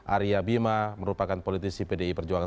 arya bima merupakan politisi pdi perjuangan